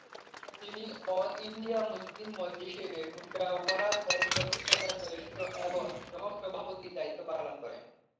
তিনি all India Muslim মজলিসে মুশাওয়ারাত-এর প্রতিষ্ঠাতা সদস্য এবং সহ-সভাপতি দায়িত্ব পালন করেন।